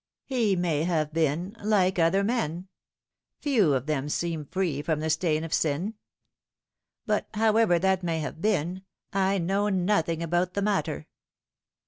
He may have been like other men. Few of them seem free from the stain of sin. But however that may have been, I know nothing about the matter."